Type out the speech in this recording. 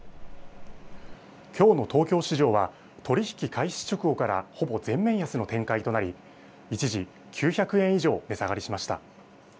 きょうの東京市場は取り引き開始直後からほぼ全面安の展開となり一時、９００円以上値下がりしました。